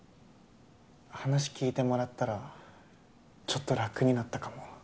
話聞いてもらったらちょっと楽になったかも。